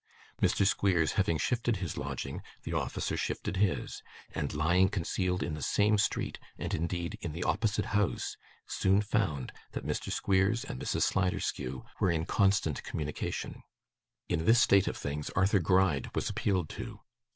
Mr. Squeers having shifted his lodging, the officer shifted his, and lying concealed in the same street, and, indeed, in the opposite house, soon found that Mr. Squeers and Mrs. Sliderskew were in constant communication. In this state of things, Arthur Gride was appealed to.